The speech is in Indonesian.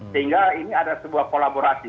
sehingga ini ada sebuah kolaborasi